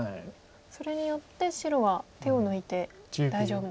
それによって白は手を抜いて大丈夫。